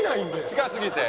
近すぎて？